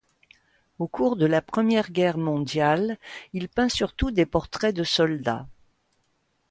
Au cours de la Première Guerre mondiale, il peint surtout des portraits de soldats.